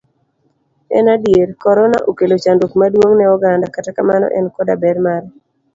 En adier, korona okelo chandruok maduong' ne oganda, kata kamano, en koda ber mare.